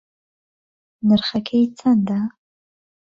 نرخەکەی چەندە؟